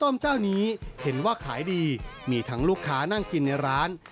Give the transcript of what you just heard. จิโมมันก็ไม่มีเหล้าหายดีมีทั้งลูกค้านั่งกินนร้าน